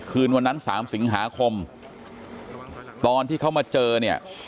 คืนวันนั้น๓สิงหาคมตอนที่เขามาเจอเนี่ย